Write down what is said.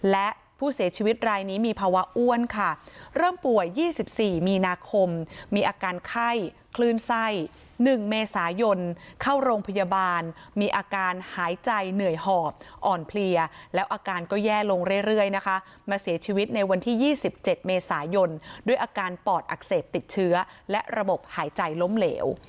และผู้เสียชีวิตรายนี้มีภาวะอ้วนค่ะเริ่มป่วย๒๔มีนาคมมีอาการไข้คลื่นไส้๑เมษายนเข้าโรงพยาบาลมีอาการหายใจเหนื่อยหอบอ่อนเพลียแล้วอาการก็แย่ลงเรื่อยนะคะมาเสียชีวิตในวันที่๒๗เมษายนด้วยอาการปอดอักเสบติดเชื้อและระบบหายใจล้มเหลว